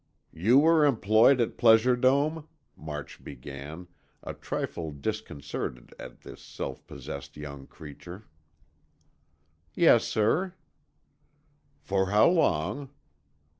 "You were employed at Pleasure Dome?" March began, a trifle disconcerted at this self possessed young creature. "Yes, sir." "For how long?"